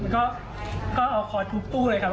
ก็เอาคอร์สทุบตู้เลยครับ